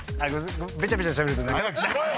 べちゃべちゃしゃべると。早くしろよ！